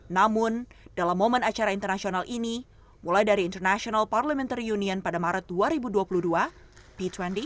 namun dalam momen acara internasional ini mulai dari international parliamentary union pada maret dua ribu dua puluh dua p dua puluh